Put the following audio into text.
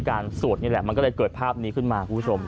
สวดนี่แหละมันก็เลยเกิดภาพนี้ขึ้นมาคุณผู้ชม